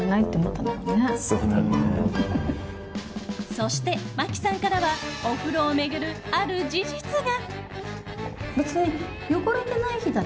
そして、真木さんからはお風呂を巡るある事実が。